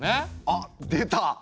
あっ出た！